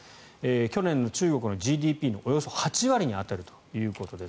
去年の中国のＧＤＰのおよそ８割に上るということです。